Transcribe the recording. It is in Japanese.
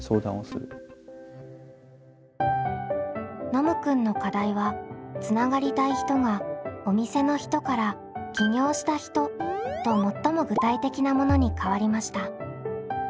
ノムくんの課題はつながりたい人が「お店の人」から「起業した人」と最も具体的なものに変わりました。